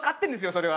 それは。